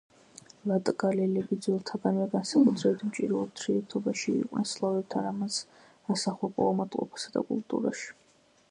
ლატგალელები ძველთაგანვე განსაკუთრებით მჭიდრო ურთიერთობაში იყვნენ სლავებთან, რამაც ასახვა პოვა მათ ყოფასა და კულტურაში.